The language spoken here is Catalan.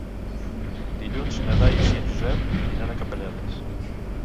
Dilluns na Thaís i en Josep aniran a Capellades.